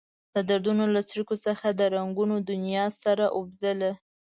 د دردونو له څړیکو څخه د رنګونو دنيا سره اوبدله.